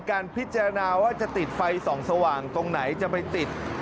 การพิจารณาว่าจะติดไฟส่องสว่างตรงไหนจะไปติด